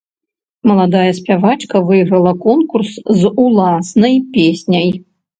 Маладая спявачка выйграла конкурс з уласнай песняй.